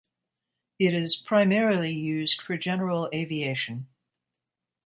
It is primarily used for general aviation.